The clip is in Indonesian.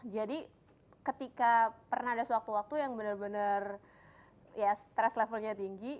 jadi ketika pernah ada suatu waktu yang bener bener ya stress levelnya tinggi